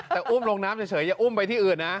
แต่อุ้มลงน้ำเฉยอย่าอุ้มไปที่อื่นนะ